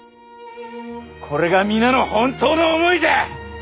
これが皆の本当の思いじゃ！